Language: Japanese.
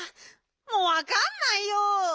もうわかんないよ！